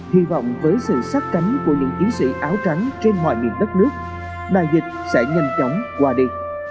hy vọng với sự sát cánh của những chiến sĩ áo trắng trên mọi miền đất nước đại dịch sẽ nhanh chóng qua đi